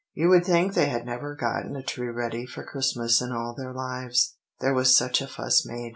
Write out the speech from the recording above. You would think they never had gotten a tree ready for Christmas in all their lives, there was such a fuss made.